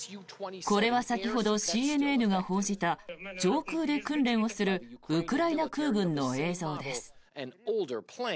これは先ほどＣＮＮが報じた上空で訓練をするウクライナ空軍の映像です。